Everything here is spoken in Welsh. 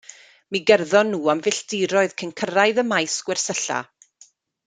Mi gerddon nhw am filltiroedd cyn cyrraedd y maes gwersylla.